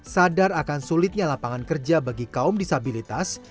sadar akan sulitnya lapangan kerja bagi kaum disabilitas